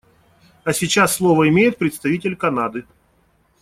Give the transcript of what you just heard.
А сейчас слово имеет представитель Канады.